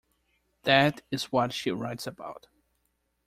That is what she writes about.